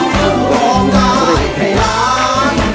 สุดท้าย